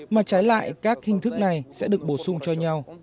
mà trái lại các hình thức này sẽ được bổ sung cho nhau